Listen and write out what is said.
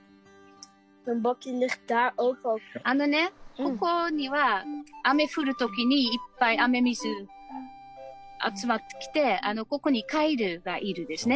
ここには雨降る時にいっぱい雨水集まってきてここにカエルがいるんですね。